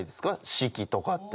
式とかって。